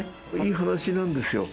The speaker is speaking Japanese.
いい話なんですよ。